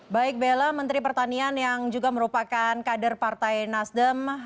baik bella menteri pertanian yang juga merupakan kader partai nasdem